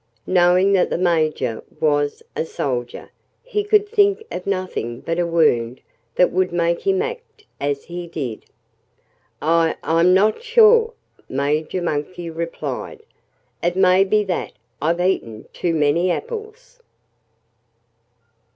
Knowing that the Major was a soldier, he could think of nothing but a wound that would make him act as he did. "I I'm not sure," Major Monkey replied. "It may be that I've eaten too many apples."